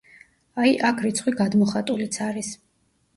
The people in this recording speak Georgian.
აი, აქ რიცხვი გადმოხატულიც არის.